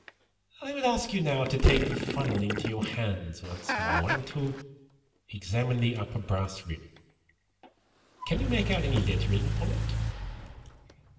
"I would ask you now to take the funnel into your hands once more and to examine the upper brass rim. Can you make out any lettering upon it?"